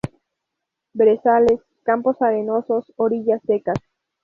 Brezales, campos arenosos, orillas secas.